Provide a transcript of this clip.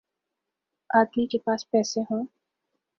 آدمی کے پاس پیسے ہوں۔